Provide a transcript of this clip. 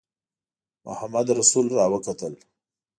محمدرسول را وکتل.